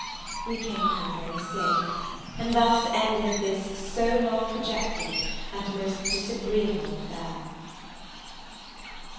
We came home very safe; and thus ended this so long projected and most disagreeable affair.